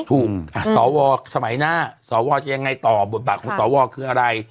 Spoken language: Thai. สวสมัยหน้าสวจะยังไงต่อบทบาทของสวคืออะไร